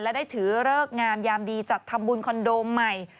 และได้ถือเลิกงามยามดีจัดทำบุญคอนโดใหม่